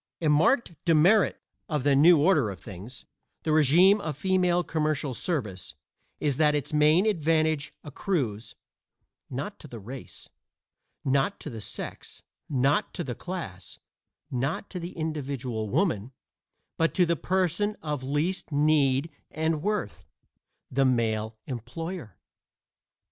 A marked demerit of the new order of things the régime of female commercial service is that its main advantage accrues, not to the race, not to the sex, not to the class, not to the individual woman, but to the person of least need and worth the male employer.